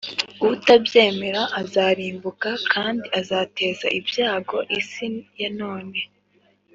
Utabyemera azarimbuka kandi azateza ibyago isi ya none.